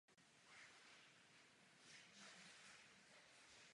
Doba kočovných operních společností prakticky skončila první světovou válkou.